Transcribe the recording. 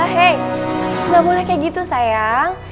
hei nggak boleh kayak gitu sayang